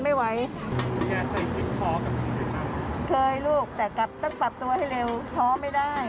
ไม่โอเคเพราะว่าใหม่หมดเลย